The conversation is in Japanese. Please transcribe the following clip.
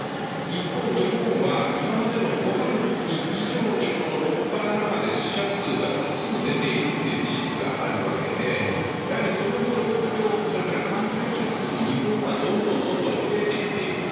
一方、日本は今までの５波のとき以上に、この６波、７波で死者数が多数出ているという事実があるわけで、やはりその状況、それから感染者数も日本はどんどんどんどん増えてきています。